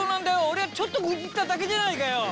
俺はちょっと愚痴っただけじゃないかよ。